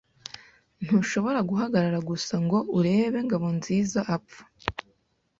Ntushobora guhagarara gusa ngo urebe Ngabonziza apfa.